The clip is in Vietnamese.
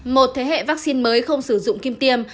một thế hệ vaccine mới không sử dụng kim tiêm